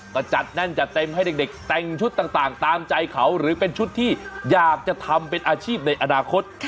ก็จัดแน่นจัดเต็มให้เด็กแต่งชุดต่างตามใจเขาหรือเป็นชุดที่อยากจะทำเป็นอาชีพในอนาคต